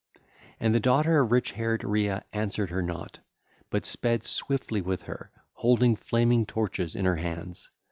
And the daughter of rich haired Rhea answered her not, but sped swiftly with her, holding flaming torches in her hands.